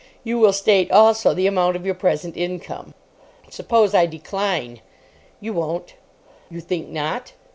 You will state, also, the amount of your present income." "Suppose I decline?" "You won't." "You think not?"